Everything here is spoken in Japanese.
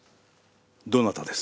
どなたです？